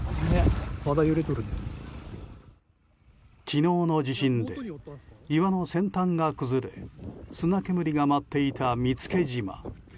昨日の地震で岩の先端が崩れ砂煙が舞っていた見附島。